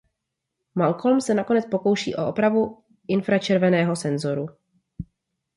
Malcolm se nakonec pokouší o opravu infračerveného senzoru.